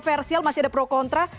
masih ada versi masih ada pro kontra